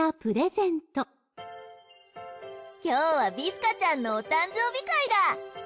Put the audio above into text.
今日はビスカちゃんのお誕生日会だ。